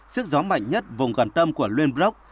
sức gió mạnh nhất vùng gần tâm của lienbrock